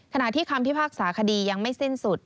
ที่คำพิพากษาคดียังไม่สิ้นสุด